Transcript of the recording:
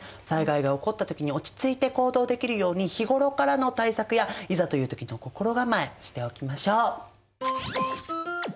災害が起こった時に落ち着いて行動できるように日頃からの対策やいざという時の心構えしておきましょう。